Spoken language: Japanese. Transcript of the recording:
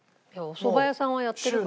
おそば屋さんはやってる。